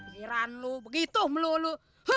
mikiran lu begitu melulu